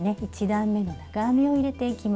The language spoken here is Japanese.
１段めの長編みを入れていきます。